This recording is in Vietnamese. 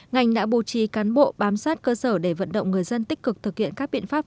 ngành đã bù trì cán bộ bám sát cơ sở để vận động người dân tích cực thực hiện các biện pháp